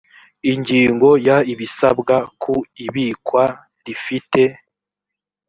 ingingo ya ibisabwa ku ibikwa rifite